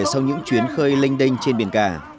sau những chuyến khơi lênh đênh trên biển cả